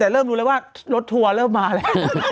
แต่เริ่มรู้แล้วว่ารถทัวร์เริ่มมาแล้ว